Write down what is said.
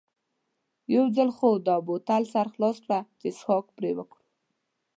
یو ځل خو دا د بوتل سر خلاص کړه چې څښاک پرې وکړو.